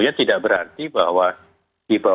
yaitu pada keturunan dua belas tahun hasilnya